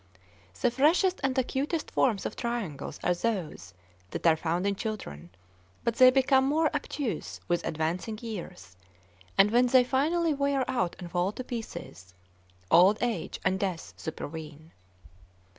The freshest and acutest forms of triangles are those that are found in children, but they become more obtuse with advancing years; and when they finally wear out and fall to pieces, old age and death supervene.